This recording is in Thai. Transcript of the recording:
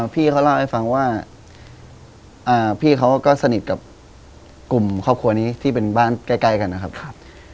พี่เขาเล่าให้ฟังว่าพี่เขาก็สนิทกับกลุ่มครอบครัวนี้ที่เป็นบ้านใกล้กันนะครับ